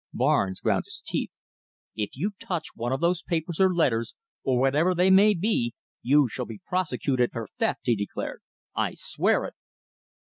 Barnes ground his teeth. "If you touch one of those papers or letters or whatever they may be, you shall be prosecuted for theft," he declared. "I swear it!"